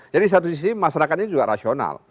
jadi satu sisi masyarakatnya juga rasional